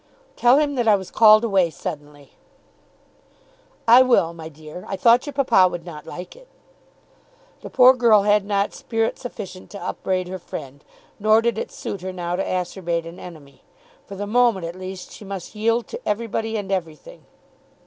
"Tell him that I was called away suddenly." "I will, my dear. I thought your papa would not like it." The poor girl had not spirit sufficient to upbraid her friend; nor did it suit her now to acerbate an enemy. For the moment, at least, she must yield to everybody and everything.